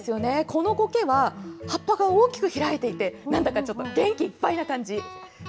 このコケは、葉っぱが大きく開いていて、なんだかちょっと元気いっぱいな感じ。